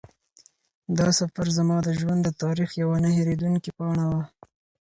دا سفر زما د ژوند د تاریخ یوه نه هېرېدونکې پاڼه وه.